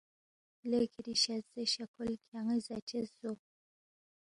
لے کِھری شزدے شہ کھول کھیان٘ی زاچس زو